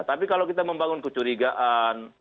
tapi kalau kita membangun kecurigaan